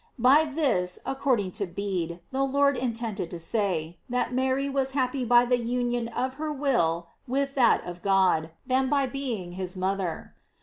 "f By this, ac cording to Bede, the Lord intended to say, that Mary was happy by the union of her will with that of God, than by being his mother.